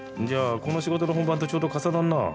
じゃあこの仕事の本番とちょうど重なんな。